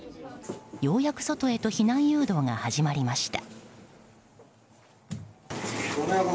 ようやく外へと避難誘導が始まりました。